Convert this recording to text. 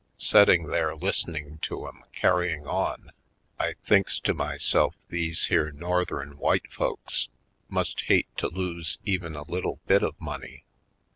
Setting there listening to 'em carrying on I thinks to myself these here Northern white folks must hate to lose even a little bit of money.